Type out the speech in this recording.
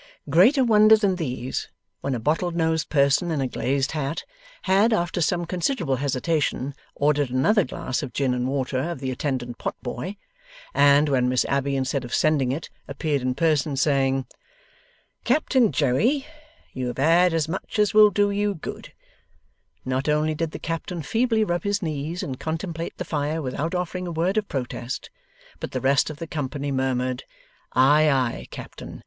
Greater wonder than these, when a bottle nosed person in a glazed hat had after some considerable hesitation ordered another glass of gin and water of the attendant potboy, and when Miss Abbey, instead of sending it, appeared in person, saying, 'Captain Joey, you have had as much as will do you good,' not only did the captain feebly rub his knees and contemplate the fire without offering a word of protest, but the rest of the company murmured, 'Ay, ay, Captain!